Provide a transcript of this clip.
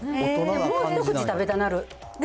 もう一口、食べたなる。